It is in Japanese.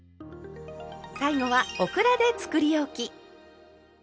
最後はオクラでつくりおき。